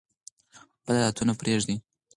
بد عادتونه پریږدئ.